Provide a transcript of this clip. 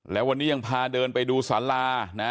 แล้ววันนี้ยังพาเดินไปดูสารานะ